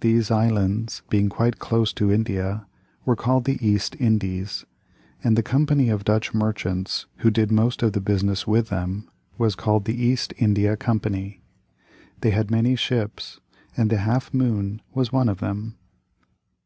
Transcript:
These islands, being quite close to India, were called the East Indies, and the company of Dutch merchants who did most of the business with them was called the East India Company. They had many ships, and the Half Moon was one of them.